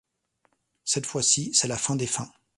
Cette fois-ci, c’est la fin des fins.